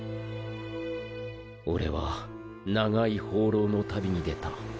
俺は長い放浪の旅に出た。